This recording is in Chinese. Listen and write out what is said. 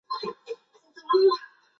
母宣氏。